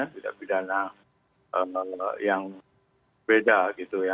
tindak pidana yang beda gitu